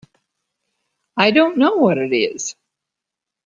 I don't know what it is.